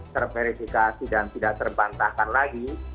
terverifikasi dan tidak terbantahkan lagi